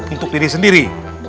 untuk diri sendiri